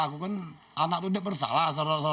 itu kan anak itu tidak bersalah